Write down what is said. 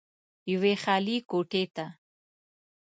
يوې خالې کوټې ته